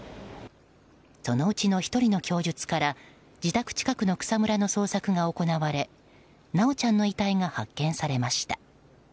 そのうちの１人の供述から自宅近くの草むらの捜索が行われ修ちゃんの遺体が発見されました。